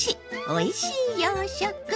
おいしい洋食！」。